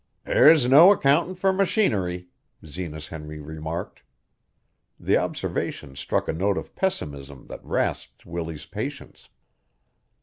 "There's no accountin' fur machinery," Zenas Henry remarked. The observation struck a note of pessimism that rasped Willie's patience.